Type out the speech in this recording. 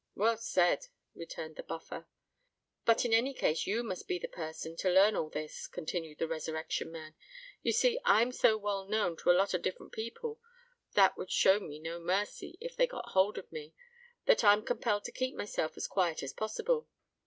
"Well said," returned the Buffer. "But in any case you must be the person to learn all this," continued the Resurrection Man. "You see, I'm so well known to a lot of different people that would show me no mercy if they got hold of me, that I'm compelled to keep myself as quiet as possible.